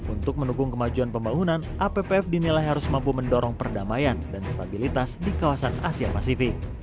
untuk mendukung kemajuan pembangunan appf dinilai harus mampu mendorong perdamaian dan stabilitas di kawasan asia pasifik